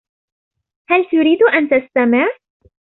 هل تريد أن تستمع ؟